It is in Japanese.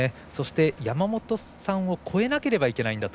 山本さんを超えなければいけないんだと。